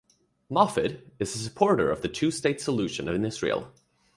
Moffit is a supporter of the Two state solution in Israel.